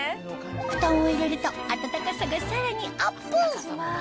布団を入れると暖かさがさらにアップ！